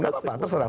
gak apa apa terserah